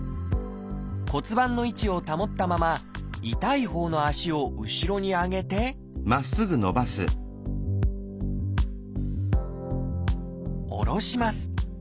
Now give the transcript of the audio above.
骨盤の位置を保ったまま痛いほうの足を後ろに上げて下ろします。